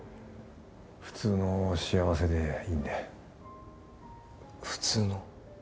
普通の幸せでいいんで普通の？